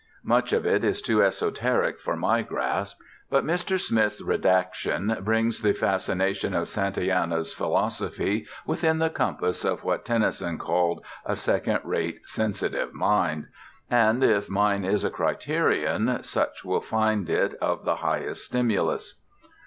Much of it is too esoteric for my grasp, but Mr. Smith's redaction brings the fascination of Santayana's philosophy within the compass of what Tennyson called "a second rate sensitive mind"; and, if mine is a criterion, such will find it of the highest stimulus.